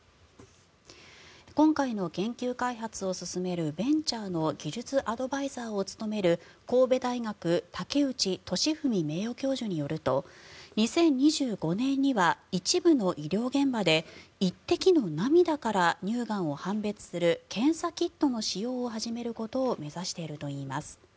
今回の研究開発を進めるベンチャーの技術アドバイザーを務める神戸大学竹内俊文名誉教授によると２０２５年には一部の医療現場で１滴の涙から乳がんを判別する検査キットの使用を始めることを目指しているといいます。